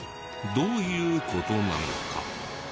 どういう事なのか？